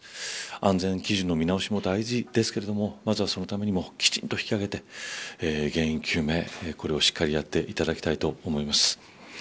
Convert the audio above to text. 安全基準の見直しも大事ですがまずは、そのためにもきちんと引き揚げて原因究明をしっかりやっていただきたいと思います。